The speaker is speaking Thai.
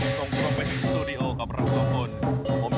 ยังยุ่งกำกัดการ์ดกีฟานกีฬาแห่งภาคธุรกิจ